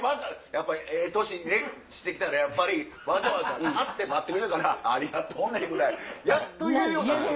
やっぱりええ年して来たからやっぱりわざわざ立って待ってくれてるから「ありがとうね」ぐらいやっと言えるようになって。